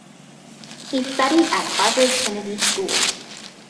He studied at Harvard Kennedy School.